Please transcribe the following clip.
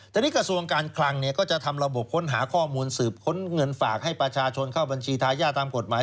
ทีนี้กระทรวงการคลังก็จะทำระบบค้นหาข้อมูลสืบค้นเงินฝากให้ประชาชนเข้าบัญชีทายาทตามกฎหมาย